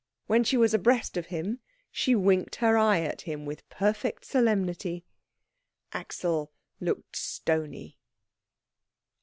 When she was abreast of him, she winked her eye at him with perfect solemnity. Axel looked stony.